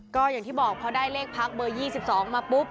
ก็อย่างที่บอกพอได้เลขพักเบอร์๒๒มาปุ๊บ